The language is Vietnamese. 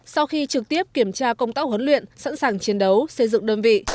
sau khi trực tiếp kiểm tra công tác huấn luyện sẵn sàng chiến đấu xây dựng đơn vị